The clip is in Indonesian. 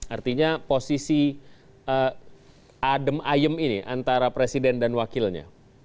artinya posisi adem ayem ini antara presiden dan wakilnya